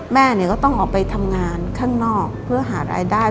แม่เนี่ยก็ต้องออกไปทำงานข้างนอกเพื่อหารายได้